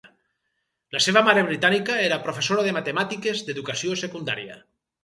La seva mare britànica era professora de matemàtiques d'educació secundària.